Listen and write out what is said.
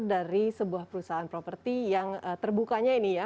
dari sebuah perusahaan properti yang terbukanya ini ya